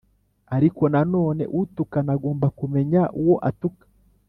ariko nanone, utukana agomba kumenya uwo atuka